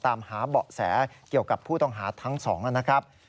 ตามหาเบาะแสเกี่ยวกับผู้ต้องหาทั้งสองนะครับ